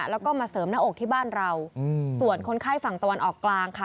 แล้วก็มาเสริมหน้าอกที่บ้านเราส่วนคนไข้ฝั่งตะวันออกกลางค่ะ